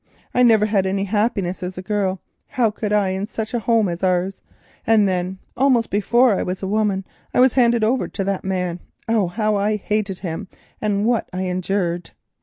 I never had any happiness as a girl —how could I in such a home as ours?—and then almost before I was a woman I was handed over to that man. Oh, how I hated him, and what I endured!"